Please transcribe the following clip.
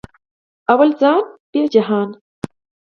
اول ځان بیا جهان